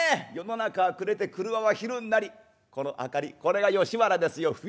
世の中は暮れて廓は昼になりこの明かりこれが吉原ですよ。